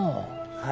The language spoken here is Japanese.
はい。